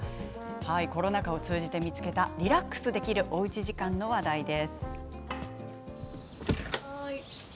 コロナ禍を通じて見つけたリラックスできるおうち時間の話題です。